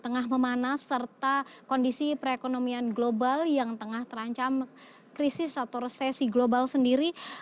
tengah memanas serta kondisi perekonomian global yang tengah terancam krisis atau resesi global sendiri